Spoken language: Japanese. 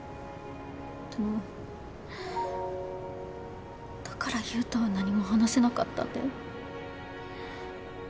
でもだから悠太は何も話せなかったんだよ。